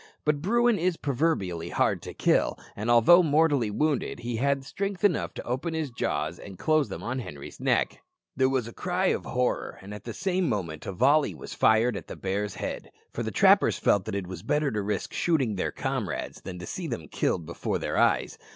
But Bruin is proverbially hard to kill, and although mortally wounded, he had strength enough to open his jaws and close them on Henri's neck. There was a cry of horror, and at the same moment a volley was fired at the bear's head; for the trappers felt that it was better to risk shooting their comrades than see them killed before their eyes.